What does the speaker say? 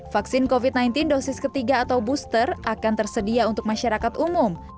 vaksin covid sembilan belas dosis ketiga atau booster akan tersedia untuk masyarakat umum